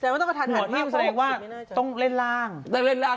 แสดงว่าต้องกระทันหันมากเพราะว่าต้องเล่นร่าง